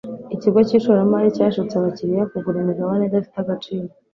ikigo cyishoramari cyashutse abakiriya kugura imigabane idafite agaciro